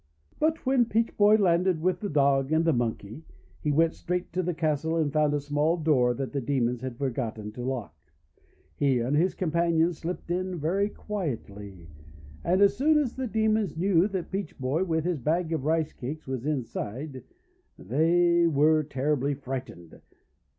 But when Peach Boy landed, with the Dog and the Monkey, he went straight to the castle and found a small door that the Demons had for gotten to lock. He and his companions slipped in very quietly, and as soon as the Demons knew that Peach Boy, with his bag of Rice Cakes, was inside, they were terribly frightened.